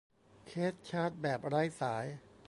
เคสชาร์จแบบไร้สาย